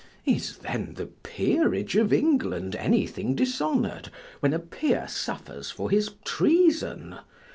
Is then the peerage of England anything dishonored, when a peer suffers for his treason?